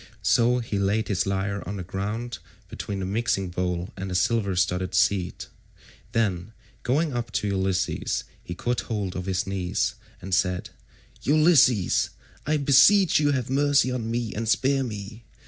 So he laid his lyre on the ground between the mixing bowl 175 and the silver studded seat; then going up to Ulysses he caught hold of his knees and said, "Ulysses, I beseech you have mercy on me and spare me.